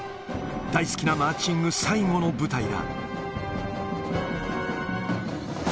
大好きなマーチング最後の舞台だ。